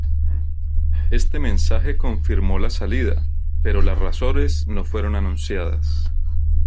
Este mensaje confirmó la salida, pero las razones no fueron anunciadas.